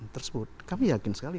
tersebut kami yakin sekali